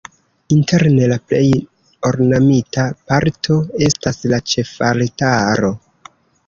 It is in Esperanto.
Interne la plej ornamita parto estas la ĉefaltaro.